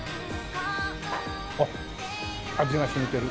あっ味が染みてる。